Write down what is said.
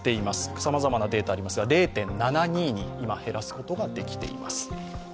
さまざまなデータありますが、０．７２まで減らすことができています。